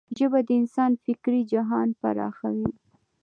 ژبه د انسان فکري جهان پراخوي.